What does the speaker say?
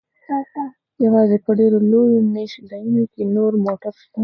یوازې په ډیرو لویو میشت ځایونو کې نور موټر شته